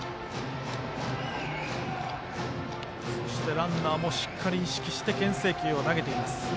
ランナーもしっかり意識してけん制球を投げています。